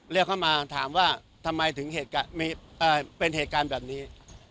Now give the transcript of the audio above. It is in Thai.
เรียกเข้ามาถามว่าทำไมถึงเป็นเหตุการณ์แบบนี้